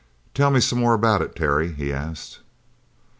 "Tell me some more about it, Terry," he asked.